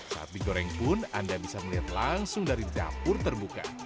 saat digoreng pun anda bisa melihat langsung dari dapur terbuka